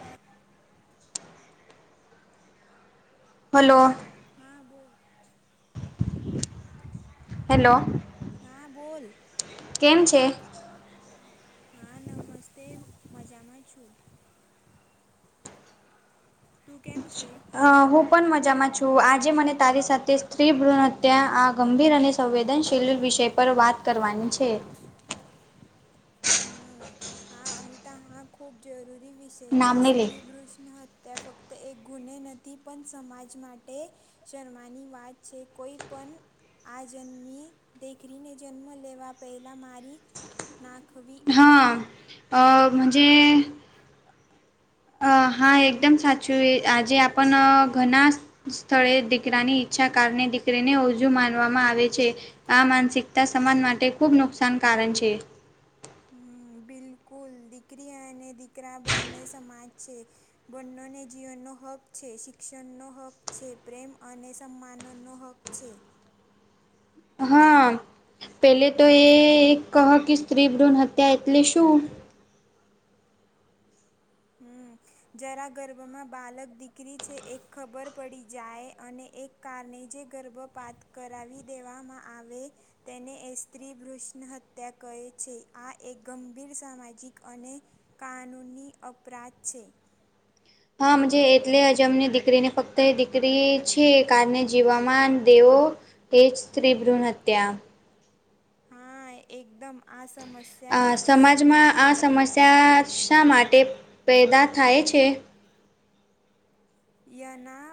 હા. હલો. હા બોલ. હેલો. હા બોલ. કેમ છે? હા નમસ્તે. મજામાં છું. તું કેમ છે? હા હું પણ મજામાં છું. આજે મને તારી સાથે સ્ત્રી [unintelligible] ત્યાં આ ગંભીર અને સંવેદનશીલ વિષય પર વાત કરવાની છે. હમ્મ. હા અમિતા હા. ખૂબ જરૂરી વિષ કે જે સ્ત્રી ભૃષ્ણ હત્યા ફક્ત તો એક ગુને નથી પણ સમાજ માટે શરમાની વાત છે કોઈ પન આ જન્મી દેખરીને જન્મ લેવા પહેલા મારી ના ખવી આ અહ મજે અહ હા એકદમ સાચું એ. આજે આપન ઘનાસ સ્થળે દીકરાની ઈચ્છા કારણે દીકરીને ઓજુ માનવામાં આવે છે. આ માનસિકતા સમાજ માટે ખુબ નુકસાનકારણ છે. હમ્મ બિલકુલ. દીકરી અને દીકરા બંને સમાજ છે. બંનોને જીવનનો હક છે, શિક્ષણ નો હક છે, પ્રેમ અને સન્માન નો હક છે. હા. પેલે તો એ એક કહ કે સ્ત્રી ભ્રૂણ હત્યા એટલે શું? હમ્મ. જરા ગર્ભમાં બાલક દીકરી છે એ ખબર પડી જાય, અને એક કારણે જે ગર્ભપાત કરાવી દેવામાં આવે તેને એ સ્ત્રી ભૃષ્ણ હત્યા કહે છે. આ એક ગંભીર સામાજિક અને કાનૂની અપરાધ છે. હા મજે એટલે અજ અમને દીકરીને ફક્ત એ દીકરી છે કારણે જીવામાન દેવો એ જ સ્ત્રીભ્રૂણ હત્યા. [unintelligible] એકદમ આ સમસ્યા માટે [unintelligible] શા માટે પેદા થાય છે? યના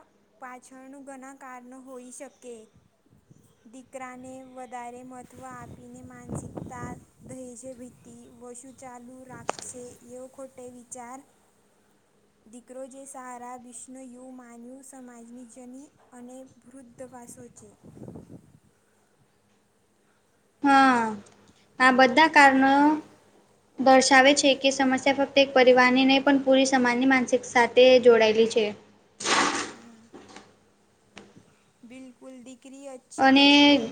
પાછળનું ઘણા કારણો હોઈ શકે. દીકરાને વધારે મહત્ત્વ આપીને માનસિકતા [unintelligible] તી વશુ ચાલુ રાખશે, એવ ખોટે વિચાર [inaudible] દીકરો જે સારા બિશ નો યુ માન્યું સમાજની જની અને વૃદ્ધવાષો છે. હા. આ બધા કારણો દર્શાવે છે કે સમસ્યા ફક્ત તે એક પરિવારની નહીં, પણ પૂરી સમાજની માનસિક સાથે જોડાયેલી છે. હમ્મ. બિલકુલ. દીકરી [unintelligible] અને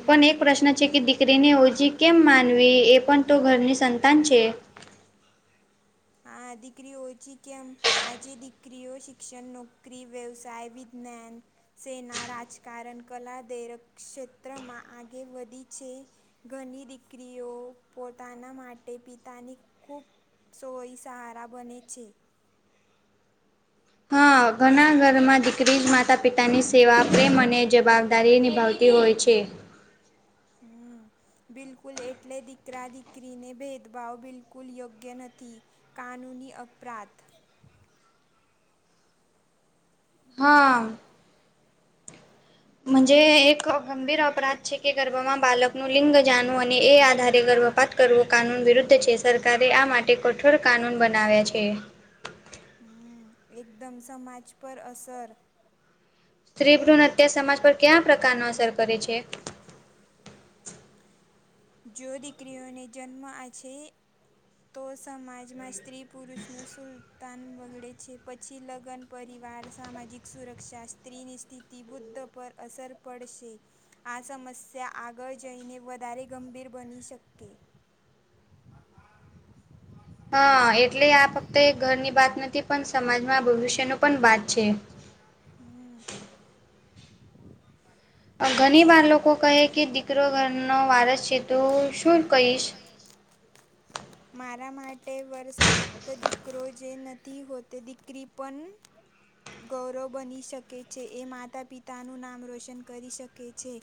પન એક પ્રશ્ન છે કે દિક કરીને ઓજી કેમ માનવી? એ પણ તો ઘરની સંતાન છે. હા. દીકરીઓ ઓછી કેમ? આજે દીકરીઓ શિક્ષણ, નોકરી, વ્યવસાય, વિજ્ઞાન સેના, રાજકારણ, કલા દેરક ક્ષેત્રમાં આગે વધી છે. ઘની દીકરીઓ પોતાના માટે પિતાની ખૂબ સોઈ સહારા બને છે. હા. ઘના ઘરમાં દીકરી માતા પિતાની સેવા, પ્રેમ અને જવાબદારી નિભાવ તી હોય છે. હમ્મ. બિલકુલ. એટલે દીકરા દીકરીને ભેદભાવ બિલકુલ યોગ્ય નથી. કાનૂની અપરાધ. હા. મજે એક ગંભીર અપરાધ છે, કે ગર્ભમાં બાલકનું લિંગ જાણવું, અને એ આધારે ગર્ભપાત કરવો કાનૂન વિરુદ્ધ છે. સરકારે આ માટે કઠોર કાનૂન બનાવ્યા છે. હમ્મ. એકદમ સમાજ પર અસર સ્ત્રીભ્રૂણ હત્યા સમાજ પર ક્યા પ્રકારનો અસર કરે છે? જો દીકરીઓને જન્મ આ છે તો સમાજમાં સ્ત્રી પુરુષનું સુલતાન બગડે છે. પછી લગ્ન પરિવાર, સામાજિક સુરક્ષા, સ્ત્રીની સ્થિતિ બુદ્ધ પર અસર પડશે. આ સમસ્યા આગળ જઈને વધારે ગંભીર બની શકે. હા. એટલે આ ફક્ત એક ઘરની વાત નથી, પણ સમાજમાં ભવિષ્યનું પણ વાત છે. હમ્મ. અહ ઘની વાર લોકો કહે કે દીકરો ઘરનો વારસ છે. તું શું કહીશ? મારા માટે વર્ષા ફક્ત દીકરો જે નથી હોતે, દીકરી પન ગૌરવ બની શકે છે. એ માતા પિતાનું નામ રોશન કરી શકે છે.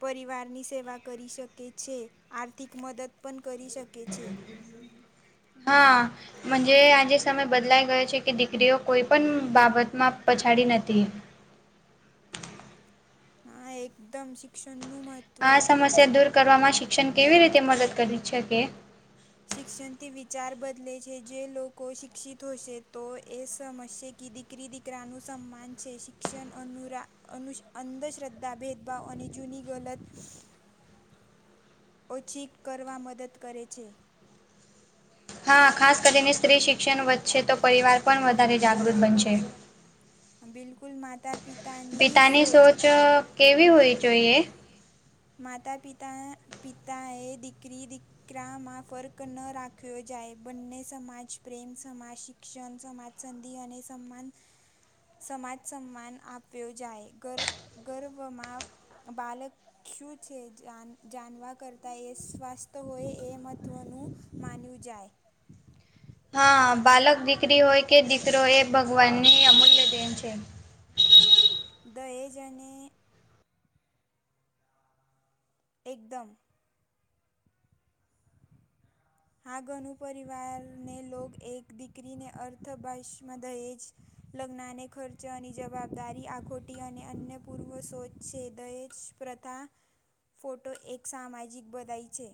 પરિવારની સેવા કરી શકે છે. આર્થિક મદદ પન કરી શકે છે. હા. મજે આજે સમય બદલાઈ ગયો છે કે દીકરીઓ કોઈ પન બાબત બાબત માં પછાડી નથી. [inaudible] હા એકદમ. શિક્ષણનું મહત્ આ સમસ્યા દૂર કરવામાં શિક્ષણ કેવી રીતે મદદ કરી શકે? શિક્ષણથી વિચાર બદ લે છે જે. લોકો શિક્ષિત હોશે તો એ સમજશે કી દીકરી દીકરાનું સન્માન છે. શિક ક્ષણ અનુરા અનુસ અંધશ્રદ્ધા, ભેદભાવ અને જૂની ગલત ઓછી કરવા મદદ કરે છે. હા. ખાસ કરીને સ્ત્રી શિક્ષણ વધશે તો પરિવાર પન વધારે જાગૃત બનશે. હા બિલકુલ. માતા પિત પિતાની સોચ અહ કેવી હોવી જોઈએ? માતા-પિતા પિતા એ દીકરી દિક કરામાં ફર્ક ન રાખ્યો જાય. બંને સમાજ, પ્રેમ, સમાજ, શિક ક્ષણ, સમાજ સંધિ અને સમ્માન સમાજ સન્માન આપ્યો જાય ગ ગર્ભમાં બાળક, શું છે જાણવા કરતા એ સ્વાસ્થ હોય એ મહત્વનું, માન્યું જાય. હા બાલક દીકરી હોય કે દીકરો એ ભગવાનની અમૂલ્ય દેન છે. દહેજ અને એકદમ, હા ઘણુ પરિવારને લોગ એક દીકરીને અર્થભાશમાં દહેજ લગ્નને ખર્ચની જવાબદારી આખોટી અને અન્ય પૂર્વ શોધ છે દહેજ‌ પ્રથા ફોટો એક સામાજિક બધાયી છે.